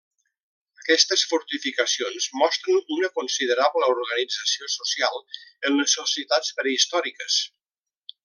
Aquestes fortificacions mostren una considerable organització social en les societats prehistòriques.